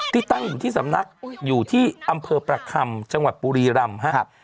ตั้งอยู่ที่สำนักอยู่ที่อำเภอประคำจังหวัดบุรีรำครับ